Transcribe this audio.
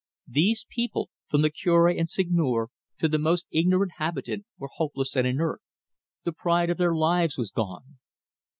These people, from the Cure and Seigneur to the most ignorant habitant, were hopeless and inert. The pride of their lives was gone.